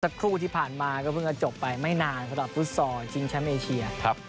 สักครู่ที่ผ่านมาก็เพิ่งจะจบไปไม่นานสำหรับฟุตซอร์จิงชัมเอเชียครับ